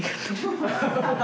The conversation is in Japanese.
ハハハハ。